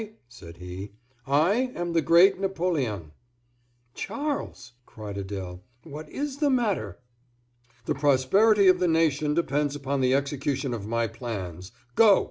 said he; "I am the Great Napoleon!" "Charles!" cried Adèle, "what is the matter?" "The prosperity of the nation depends upon the execution of my plans. Go!"